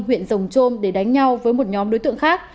huyện rồng trôm để đánh nhau với một nhóm đối tượng khác